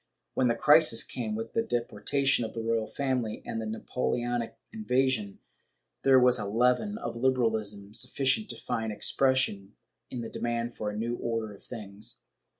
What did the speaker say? When the crisis came, with the deportation of the royal family and the Napoleonic invasion, there was a leaven of liberalism sufficient to find expression in the demand for a new order of things.